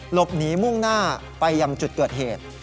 หลบหนีมุ่งหน้าไปยังจุดเกิดเหตุ